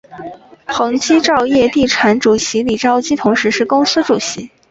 恒基兆业地产主席李兆基同时是公司主席。